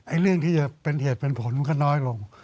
เรื่องที่จะเป็นเหตุเป็นผลมันก็น้อยลง